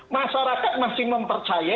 masyarakat masih mempercaya